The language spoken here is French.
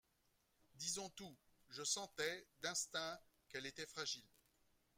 Disons tout, je sentais, d'instinct, qu'elle était fragile.